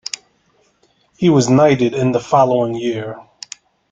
He was knighted in the following year.